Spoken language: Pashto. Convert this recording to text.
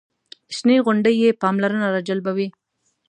شنې غونډۍ یې پاملرنه راجلبوي.